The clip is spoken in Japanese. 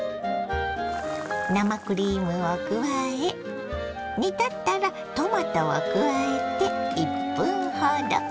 生クリームを加え煮立ったらトマトを加えて１分ほど。